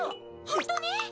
本当に？